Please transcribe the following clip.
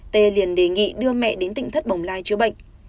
tê liền đề nghị đưa mẹ đến tỉnh thất bồng lai chữa bệnh